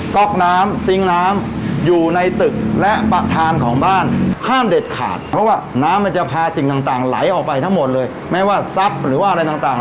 ทางไหลออกไปทั้งหมดเลยแม้ว่าทรัพย์หรือว่าอะไรต่าง